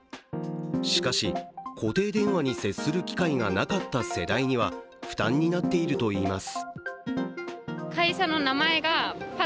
しかし、固定電話に接する機会がなかった世代には、負担になっているといいます。